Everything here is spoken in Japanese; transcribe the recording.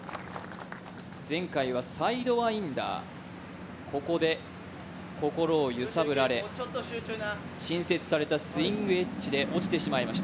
前回はサイドワインダーで心を揺さぶられ、新設されたスイングエッジで落ちてしまいました。